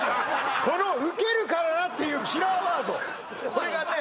このウケるからっていうキラーワードこれがね